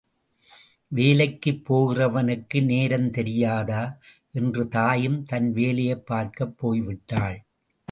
வேலைக்குப் போகிறவனுக்கு நேரம் தெரியாதா என்று தாயும் தன் வேலையைப் பார்க்கப் போய் விட்டாள்.